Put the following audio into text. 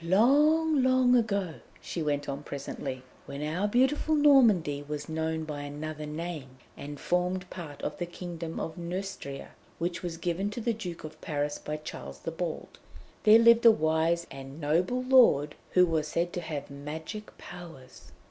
"Long, long ago," she went on presently, "when our beautiful Normandy was known by another name, and formed part of the kingdom of Neustria, which was given to the Duke of Paris by Charles the Bald, there lived a wise and noble lord who was said to have magic powers.